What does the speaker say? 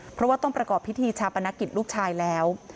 เพราะว่าต้องประกอบพิธีชาปนกิจลูกชายแล้ว